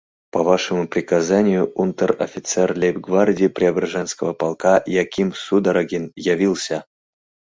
— По вашему приказанию унтер-офицер лейб-гвардии Преображенского полка Яким Судорогин явился.